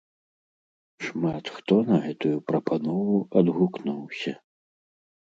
Шмат хто на гэтую прапанову адгукнуўся.